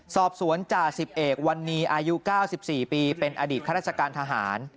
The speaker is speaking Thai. จ่าสิบเอกวันนี้อายุ๙๔ปีเป็นอดีตข้าราชการทหาร